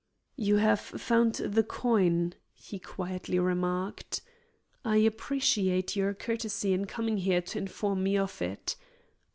"You have found the coin," he quietly remarked. "I appreciate your courtesy in coming here to inform me of it.